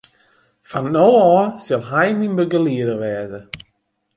Fan no ôf sil hy myn begelieder wêze.